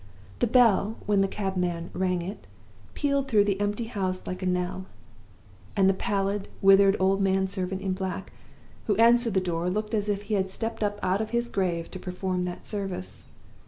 The bell, when the cabman rang it, pealed through the empty house like a knell; and the pallid, withered old man servant in black who answered the door looked as if he had stepped up out of his grave to perform that service.